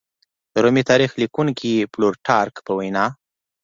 د رومي تاریخ لیکونکي پلوټارک په وینا